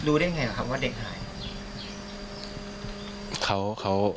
รู้ได้ไงครับว่าเด็กหาย